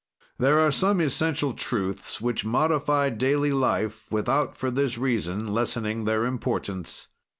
"There are some essential truths which modify daily life without, for this reason, lessening their importance.